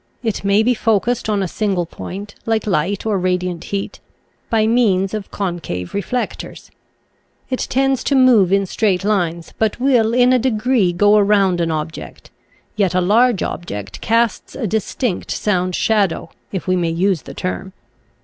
It may be focussed on a single point, like light or radiant heat, by means of concave reflectors. It tends to move in straight lines, but will in a degree go around an object; yet a large object casts a distinct sound shadow, if we may use the term.